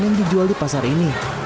yang dijual di pasar ini